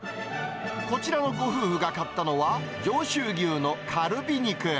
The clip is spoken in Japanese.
こちらのご夫婦が買ったのは、上州牛のカルビ肉。